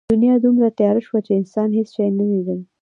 دنیا دومره تیاره شوه چې انسان هېڅ شی نه لیدل.